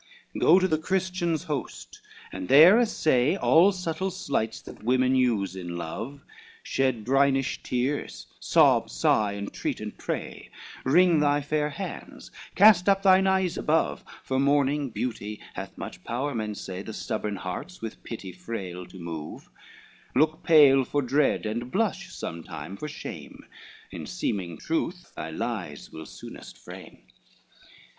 XXV "Go to the Christians' host, and there assay All subtle sleights that women use in love, Shed brinish tears, sob, sigh, entreat and pray, Wring thy fair hands, cast up thine eyes above, For mourning beauty hath much power, men say, The stubborn hearts with pity frail to move; Look pale for dread, and blush sometime for shame, In seeming truth thy lies will soonest frame.